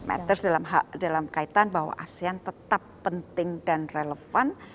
matters dalam kaitan bahwa asean tetap penting dan relevan